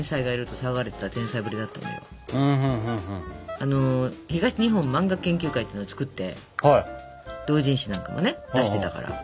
あの東日本漫画研究会っていうのを作って同人誌なんかもね出してたから。